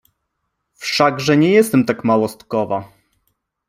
Wszakże nie jestem tak małostkowa!